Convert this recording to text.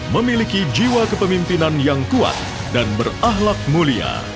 memiliki jiwa kepemimpinan yang kuat dan berahlak mulia